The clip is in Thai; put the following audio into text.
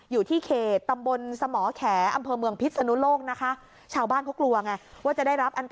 อยู่ที่เขตตำบลสมแขอัมเภอปริศนุโลกนะคะ